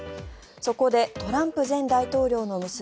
そこでトランプ前大統領の娘